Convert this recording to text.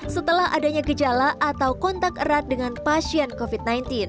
setelah adanya gejala atau kontak erat dengan pasien covid sembilan belas